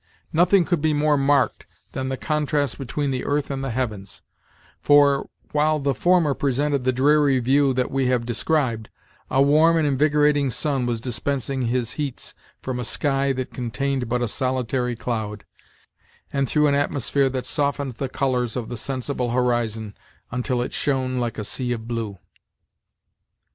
Nothing could be more marked than the contrast between the earth and the heavens; for, while the former presented the dreary view that we have described, a warm and invigorating sun was dispensing his heats from a sky that contained but a solitary cloud, and through an atmosphere that softened the colors of the sensible horizon until it shone like a sea of blue.